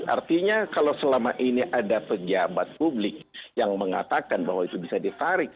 artinya kalau selama ini ada pejabat publik yang mengatakan bahwa itu bisa ditarik